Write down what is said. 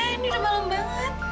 ini udah malam banget